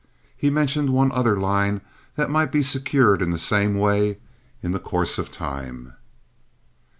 He mentioned one other line that might be secured in the same way in the course of time.